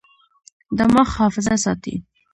دماغ حافظه ساتي.